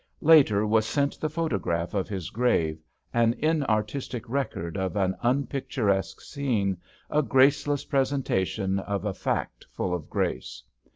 Later was sent the photograph of his grave, an inartistic record of an unpicturesque scene, a graceless presenta tion of a fact full of grace.